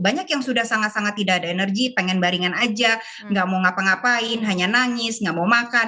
banyak yang sudah sangat sangat tidak ada energi pengen baringan aja nggak mau ngapa ngapain hanya nangis nggak mau makan